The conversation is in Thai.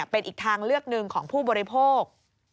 เป็นอีกทางเลือกหนึ่งของผู้บริโภค